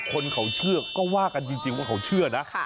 คนเขาเชื่อก็ว่ากันจริงว่าเขาเชื่อนะ